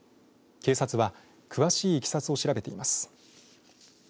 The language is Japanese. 警察は詳しいいきさつを調べています。